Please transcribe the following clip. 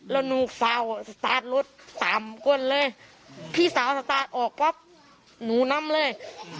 แล้วหนูเฝ้าสตาร์ทรถสามก้นเลยพี่สาวสตาร์ทออกปั๊บหนูนำเลย